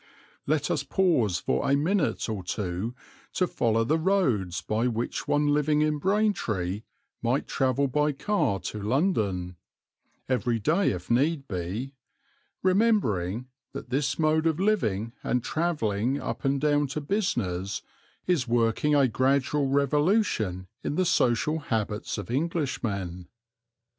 Let us pause for a minute or two to follow the roads by which one living in Braintree might travel by car to London, every day if need be, remembering that this mode of living and travelling up and down to business is working a gradual revolution in the social habits of Englishmen.